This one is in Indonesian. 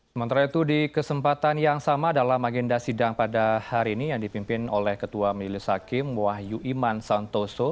sementara itu di kesempatan yang sama dalam agenda sidang pada hari ini yang dipimpin oleh ketua majelis hakim wahyu iman santoso